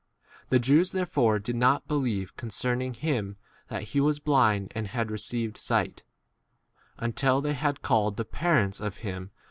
The Jews there fore did not believe concerning him that he was blind and had received sight, until they had call ed the parents of him that had a T.